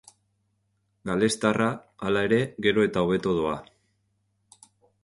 Galestarra, hala ere, gero eta hobeto doa.